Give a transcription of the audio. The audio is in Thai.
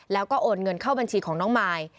แล้วก็โอนเงินเข้าบัญชีของน้องมาย